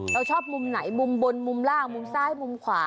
เราชอบมุมไหนมุมบนมุมล่างมุมซ้ายมุมขวา